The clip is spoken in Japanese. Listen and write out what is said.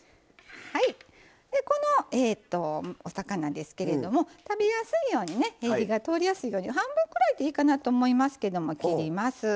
でこのお魚ですけれども食べやすいようにね火が通りやすいように半分くらいでいいかなと思いますけども切ります。